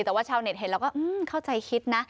แต่ว่าชาวเน็ตเห็นแล้วก็เข้าใจคิดนะ